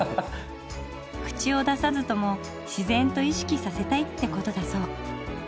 口を出さずとも自然と意識させたいってことだそう。